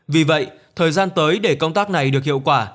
vì vậy thời gian tới để công tác này được hiệu quả